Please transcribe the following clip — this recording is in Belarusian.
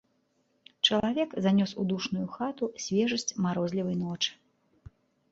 Чалавек занёс у душную хату свежасць марозлівай ночы.